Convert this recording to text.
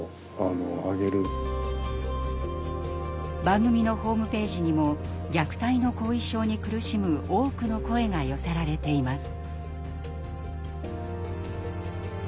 番組のホームページにも虐待の後遺症に苦しむ多くの声が寄せられています。